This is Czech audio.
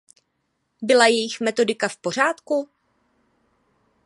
Byla jejich metodika v pořádku?